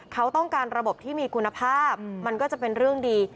เขาต้องการระบบที่มีคุณภาพมันก็จะเป็นเรื่องดี